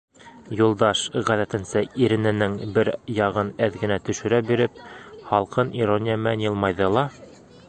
Юлдаш, ғәҙәтенсә, ирененең бер яғын әҙ генә төшөрә биреп, һалҡын ирония менән йылмайҙы ла: